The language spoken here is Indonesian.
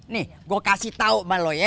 nih gue kasih tau mbak lo ya